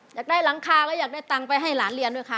อยากได้หลังคาก็อยากได้ตังค์ไปให้หลานเรียนด้วยค่ะ